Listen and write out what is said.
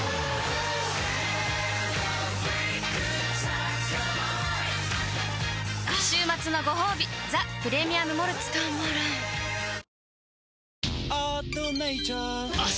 あ週末のごほうび「ザ・プレミアム・モルツ」たまらんっ